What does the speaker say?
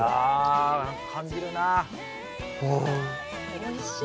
おいしい。